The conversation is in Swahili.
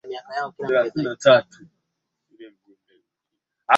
Inaweza kupatikana katika Pujini kwenye Kisiwa cha Pemba